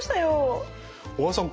小川さん